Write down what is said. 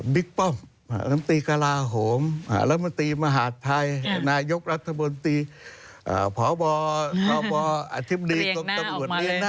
บิกป้อมหารมตีกะลาโหมหารมตีมหาดไทยนายกรัฐบนตรีผอบครอบออธิบดีกรกตรวจ